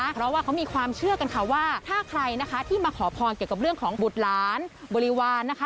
เพราะว่าเขามีความเชื่อกันค่ะว่าถ้าใครนะคะที่มาขอพรเกี่ยวกับเรื่องของบุตรหลานบริวารนะคะ